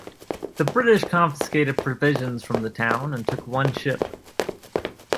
The British confiscated provisions from the town and took one ship.